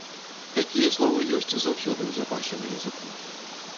Такія словы ёсць заўсёды ў запасе на языку.